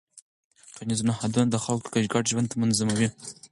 ټولنیز نهادونه د خلکو ګډ ژوند منظموي.